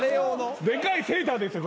でかいセーターですよ